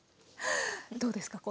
どうですか？